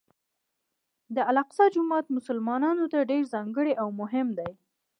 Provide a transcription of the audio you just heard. الاقصی جومات مسلمانانو ته ډېر ځانګړی او مهم دی.